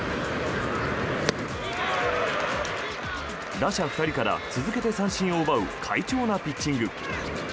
打者２人から続けて三振を奪う快調なピッチング。